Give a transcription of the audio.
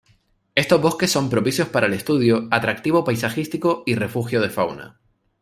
Estos bosques son propicios para el estudio, atractivo paisajístico y refugio de fauna.